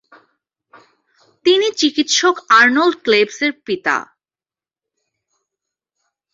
তিনি চিকিৎসক Arnold Klebs এর পিতা।